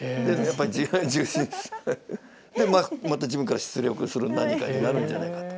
また自分から出力する何かになるんじゃないかと。